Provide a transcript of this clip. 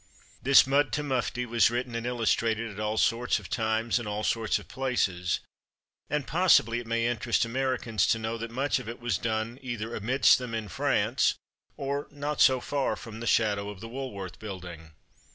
This Mud to Mufti was written and illus trated at all sorts of times and all sorts of places; and possibly it may interest Ameri cans to know that much of it was done either amidst them in France or not so far from the shadow of the Woolworth Building.